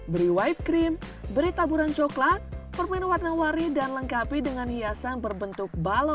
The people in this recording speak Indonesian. beri wive cream beri taburan coklat permen warna warni dan lengkapi dengan hiasan berbentuk balon